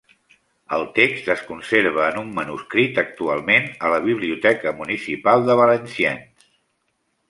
El text es conserva en un manuscrit actualment a la biblioteca municipal de Valenciennes.